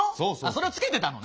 それをつけてたのね？